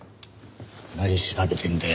何調べてんだよ？